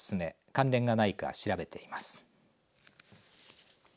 関連がないか調べています。